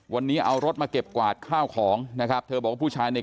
วันนี้เอารถมาเก็บกวาดข้าวของนะครับเธอบอกว่าผู้ชายใน